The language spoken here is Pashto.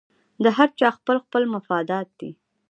د هر چا خپل خپل مفادات دي